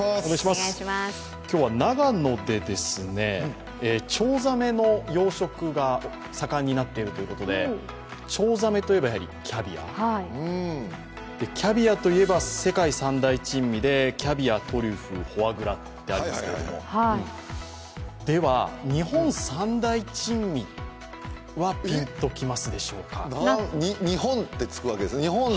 今日は、長野でチョウザメの養殖が盛んになっているということでチョウザメといえば、やはりキャビア、キャビアといえば世界三大珍味で、キャビア、トリュフ、フォアグラとあるんですけどでは、日本三大珍味はピンときますでしょうか。